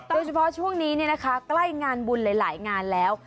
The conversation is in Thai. โดยเฉพาะช่วงนี้ใกล้งานบุญหลายงานแล้ว